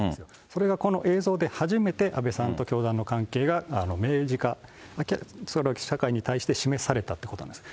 それがこの映像で初めて、安倍さんと教団の関係が明示化、社会に対して示されたってことなんです。